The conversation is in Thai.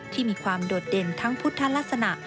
ที่มีความโดดเด่นทั้งพุทธลักษณะ